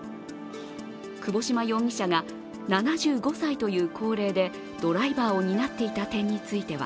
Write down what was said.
窪島容疑者が７５歳という高齢でドライバーを担っていた点については